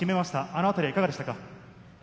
あのあたりはいかがでしたか？